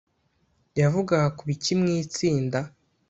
yavugaga ku biki mwitsinda